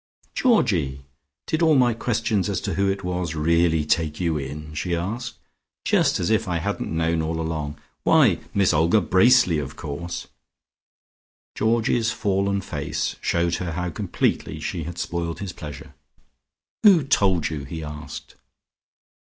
"Georgino, did all my questions as to who it was really take you in?" she asked. "Just as if I hadn't known all along! Why, Miss Olga Bracely, of course!" Georgie's fallen face shewed her how completely she had spoiled his pleasure. "Who told you?" he asked.